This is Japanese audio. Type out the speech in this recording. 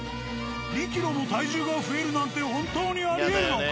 ２ｋｇも体重が増えるなんて本当にありえるのか？